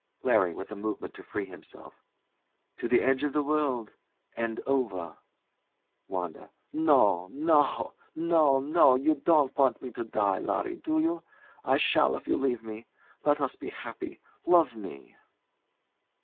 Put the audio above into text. LARRY. [With a movement to free 'himself] To the edge of the world and over! WANDA. No, no! No, no! You don't want me to die, Larry, do you? I shall if you leave me. Let us be happy! Love me!